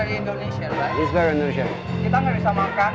ini sangat indonesia bukan